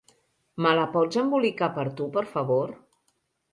Me la pots embolicar per tu, per favor?